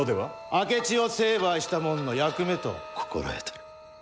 明智を成敗したもんの役目と心得とる。